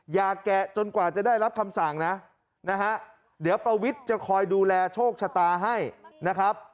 แกะจนกว่าจะได้รับคำสั่งนะนะฮะเดี๋ยวประวิทย์จะคอยดูแลโชคชะตาให้นะครับ